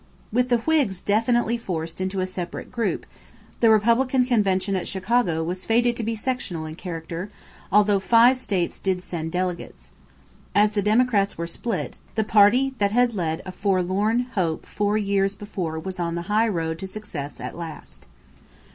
= With the Whigs definitely forced into a separate group, the Republican convention at Chicago was fated to be sectional in character, although five slave states did send delegates. As the Democrats were split, the party that had led a forlorn hope four years before was on the high road to success at last.